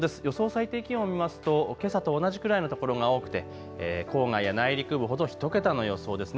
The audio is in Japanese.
最低気温を見ますとけさと同じくらいの所が多くて、郊外や内陸部ほど１桁の予想です。